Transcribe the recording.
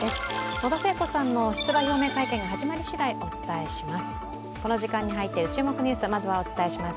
野田聖子さんの出馬表明会見が始まりしだい、お伝えします。